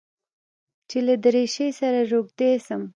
چې له دريشۍ سره روږدى سم.